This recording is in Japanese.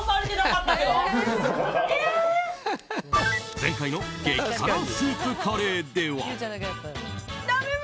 前回の激辛スープカレーでは。